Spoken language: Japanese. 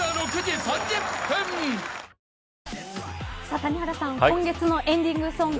谷原さん、今月のエンディングソング